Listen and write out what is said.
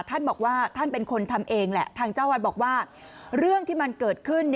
ท่านบอกว่าท่านเป็นคนทำเองแหละทางเจ้าวัดบอกว่าเรื่องที่มันเกิดขึ้น